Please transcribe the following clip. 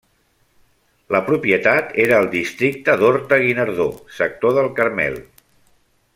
La propietat era al districte d'Horta-Guinardó, sector del Carmel.